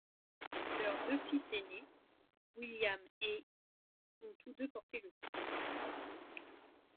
Leurs deux fils aînés, William et ont tous deux porté le titre.